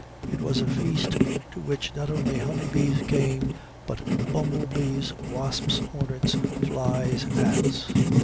It was a feast to which not only honey bees came, but bumblebees, wasps, hornets, flies, ants.